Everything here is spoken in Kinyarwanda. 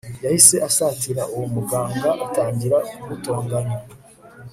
yahise asatira uwo muganga atangira kumutonganya